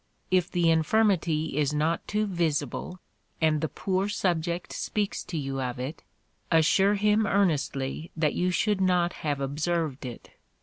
If the infirmity is not too visible, and the poor subject speaks to you of it, assure him earnestly that you should not have observed it.